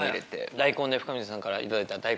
大根で深水さんから頂いた大根を。